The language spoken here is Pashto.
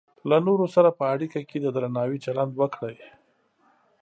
له نورو سره په اړیکه کې د درناوي چلند وکړئ.